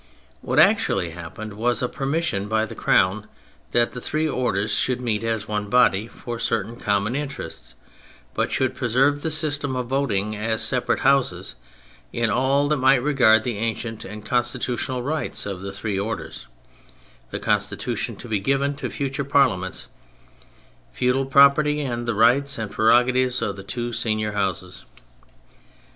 What actually happened was a permission by the Crown that the three Orders should meet as one body for certain common interests, but should preserve the system of voting as separate Houses in *' all that might regard the ancient and constitutional rights of the three Orders, the Constitution to be given to futm e Par liaments, feudal property, and the rights and prerogatives of the two senior Houses."